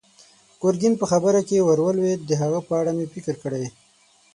ګرګين په خبره کې ور ولوېد: د هغه په اړه مې فکر کړی.